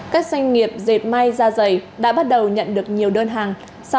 các doanh nghiệp dệt may ra dày đã bắt đầu nhận được nhiều đơn hàng